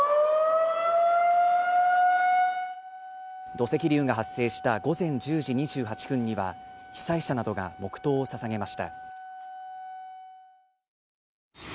土石流が発生した午前１０時２８分には、被災者などが黙とうを捧げました。